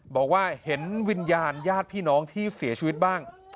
บอกว่าเห็นวิญญาณญาติพี่น้องที่เสียชีวิตบ้าง